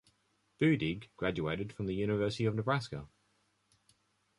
Budig graduated from the University of Nebraska.